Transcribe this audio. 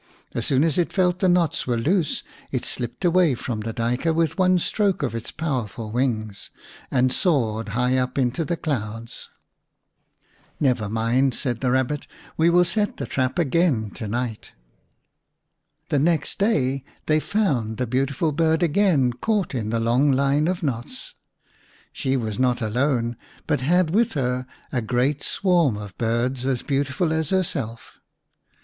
As soon as it felt the knots were loose it slipped away from the Duyker with one stroke of its powerful wings, and soared high up into the clouds. " Never mind," said the Rabbit ;" we will set the trap again to night." The next day they found the beautiful bird again caught in the long line of knots. She was not alone, but had with her a great swarm of 45 The Rabbit Prince v birds as beautiful as herself.